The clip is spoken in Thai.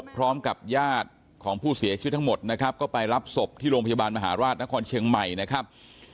พร้อมกับญาติของผู้เสียชีวิตทั้งหมดนะครับก็ไปรับศพที่โรงพยาบาลมหาราชนครเชียงใหม่นะครับ